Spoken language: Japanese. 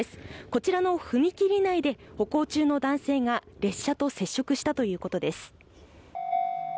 こちらの踏切内で歩行中の男性が列車と接触したということです。